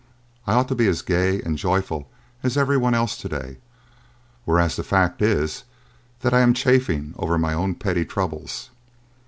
"I ought to be as gay and joyful as everyone else to day, whereas the fact is that I am chafing over my own petty troubles.